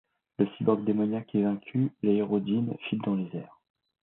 Le cyborg démoniaque est vaincu, l'aérodyne file dans les airs.